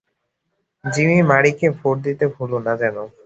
Jimmy মারিকে vote দিতে ভুলো না যেন!